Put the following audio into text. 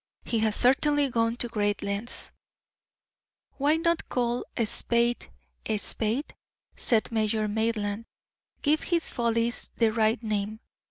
He has certainly gone to great lengths." "Why not call a spade a spade?" said Major Maitland. "Give his follies the right name.